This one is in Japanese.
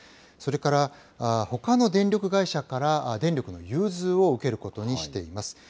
それから、ほかの電力会社から電力の融通を受けることにしています。